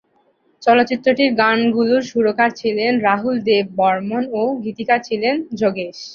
চলচ্চিত্রটির গানগুলোর সুরকার ছিলেন রাহুল দেব বর্মণ এবং গীতিকার ছিলেন যোগেশ।